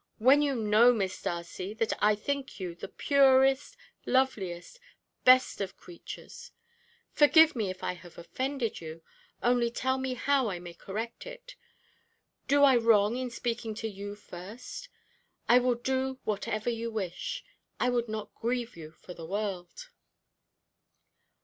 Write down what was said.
when you know, Miss Darcy, that I think you the purest, loveliest, best of creatures. Forgive me if I have offended you, only tell me how I may correct it. Do I wrong in speaking to you first? I will do whatever you wish; I would not grieve you for the world."